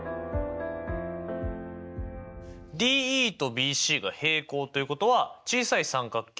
ＤＥとＢＣが平行ということは小さい三角形